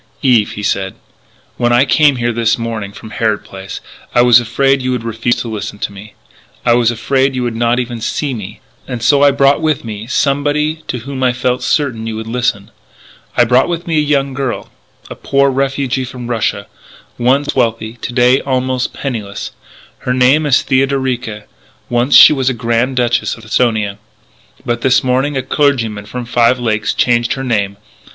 "Eve," he said, "when I came over here this morning from Harrod Place I was afraid you would refuse to listen to me; I was afraid you would not even see me. And so I brought with me somebody to whom I felt certain you would listen.... I brought with me a young girl a poor refugee from Russia, once wealthy, to day almost penniless.... Her name is Theodorica.... Once she was Grand Duchess of Esthonia.... But this morning a clergyman from Five Lakes changed her name....